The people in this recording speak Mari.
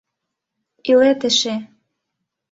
Илет эше.